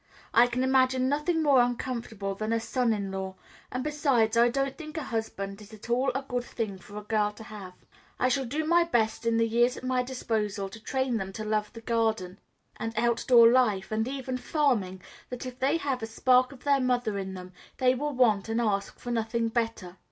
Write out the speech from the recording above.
I can imagine nothing more uncomfortable than a son in law, and besides, I don't think a husband is at all a good thing for a girl to have. I shall do my best in the years at my disposal to train them so to love the garden, and out door life, and even farming, that, if they have a spark of their mother in them, they will want and ask for nothing better.